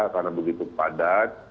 karena begitu padat